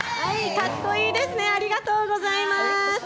かっこいいですね、ありがとうございます。